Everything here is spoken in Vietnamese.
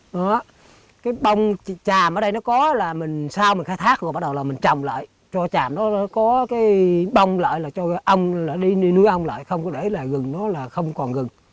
đó cái bông chàm ở đây nó có là mình sau mình khai thác rồi bắt đầu là mình trồng lại cho chàm nó có cái bông lại là cho ong là đi nuôi ong lại không có để là rừng nó là không còn rừng